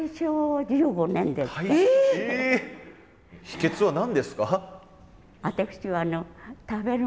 秘けつは何ですか？